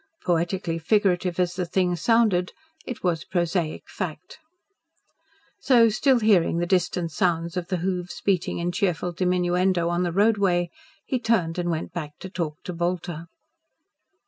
Poetically figurative as the thing sounded, it was prosaic fact. So, still hearing the distant sounds of the hoofs beating in cheerful diminuendo on the roadway, he turned about and went back to talk to Bolter.